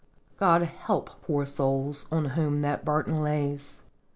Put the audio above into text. " God help poor souls on whom that burden lays